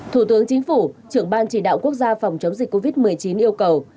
thủ tướng chính phủ trưởng ban chỉ đạo quốc gia phòng chống dịch covid một mươi chín yêu cầu